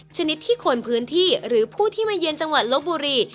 ชนิดที่คนพื้นที่หรือผู้ที่มาเยือนจังหวัดลบบุรี